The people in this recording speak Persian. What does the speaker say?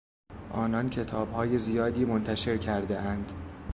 آنان کتابهای زیادی منتشر کردهاند.